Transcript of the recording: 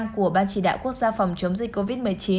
của ban chỉ đạo quốc gia phòng chống dịch covid một mươi chín